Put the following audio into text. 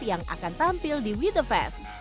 yang akan tampil di we the fest